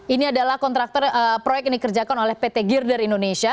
ini adalah kontraktor proyek yang dikerjakan oleh pt girder indonesia